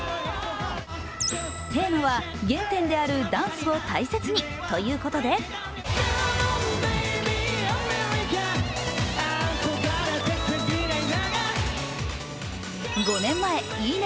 テーマは、「原点であるダンスを大切に」ということで５年前、いいね